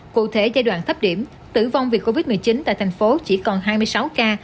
cụ thể giai đoạn thấp điểm tử vong vì covid một mươi chín tại thành phố chỉ còn hai mươi sáu ca